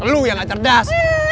lu yang gak cerdas